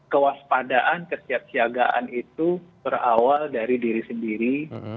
tetapi sekali lagi kewaspadaan kesiapsiagaan itu berawal dari diri sendiri